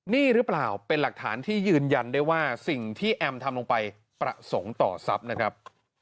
นี่หรือเปล่าเป็นหลักฐานที่ยืนยันได้ว่าสิ่งที่แอมทำลงไปประสงค์ต่อทรัพย์นะครับ